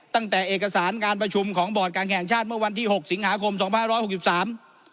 ตั้งแต่เอกสารการประชุมของบอร์ดการแข่งชาติเมื่อวันที่หกสิงหาคมสองพันร้อยหกสิบสาม